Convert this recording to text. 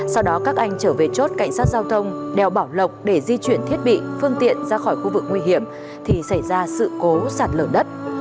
sau đó các anh trở về chốt cảnh sát giao thông đèo bảo lộc để di chuyển thiết bị phương tiện ra khỏi khu vực nguy hiểm thì xảy ra sự cố sạt lở đất